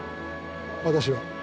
私は。